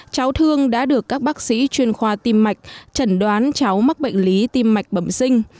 cháu thương đã được các bác sĩ chuyên khoa tim mạch chẩn đoán cháu mắc bệnh lý tim mạch bẩm sinh